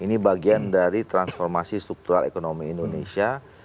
ini bagian dari transformasi struktural ekonomi indonesia